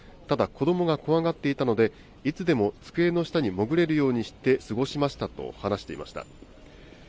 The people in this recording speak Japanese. ただ、子どもが怖がっていたので、いつでも机の下に潜れるようにして過ごしましたと話していました。